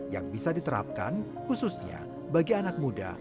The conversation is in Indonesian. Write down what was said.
yang bisa diterapkan khususnya bagi anak muda